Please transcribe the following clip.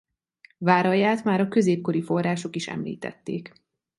Váralját már a középkori források is említették.